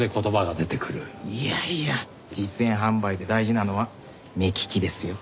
いやいや実演販売で大事なのは目利きですよ。